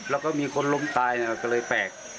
แล้วก็มีคนล้มตายก็เลยแปลก